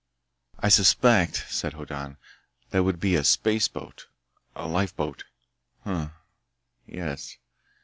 "I suspect," said Hoddan, "that it would be a spaceboat—a lifeboat. Hm m m.... Yes.